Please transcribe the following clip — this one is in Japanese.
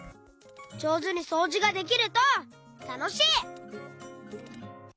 じょうずにそうじができるとたのしい！